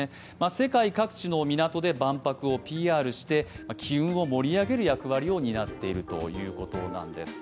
世界各地の港で万博をＰＲして気運を盛り上げる役割を担っているということなんです。